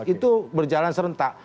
itu berjalan serentak